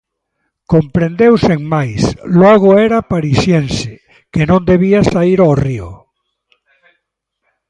Comprendeu sen máis, logo era parisiense, que non debía saír o río.